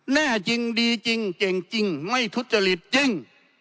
แน่จริงดีจริงเก่งจริงไม่ทุจริตจริง